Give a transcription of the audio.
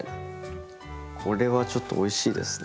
これはちょっとおいしいですね。